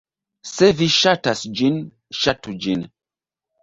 Se vi ŝatas ĝin, ŝatu ĝin.